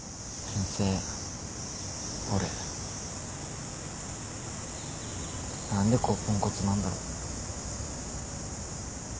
俺何でこうぽんこつなんだろ。